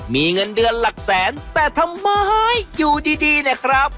มีเงินเดือนหลักแสนแต่ทำไมอยู่ดีดีเนี่ยครับ